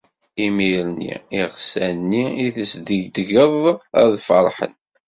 Imir-nni iɣsan nni i tesdegdgeḍ, ad ferḥen.